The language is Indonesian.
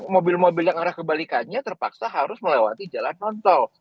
mobil mobil yang arah kebalikannya terpaksa harus melewati jalan non tol